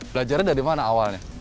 belajarnya dari mana awalnya